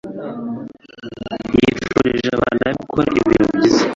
yifurije abafana be gukora ibintu byiza